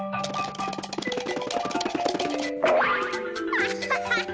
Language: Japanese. アハハハ！